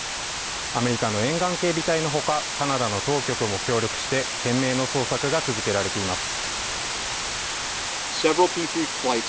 アメリカの沿岸警備隊の他、カナダの当局も協力して、懸命の捜索が続けられています。